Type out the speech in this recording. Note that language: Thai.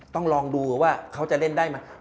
ต้องลองดูว่าเขาจะเล่นได้ไหม